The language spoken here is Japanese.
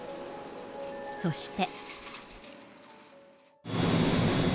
そして。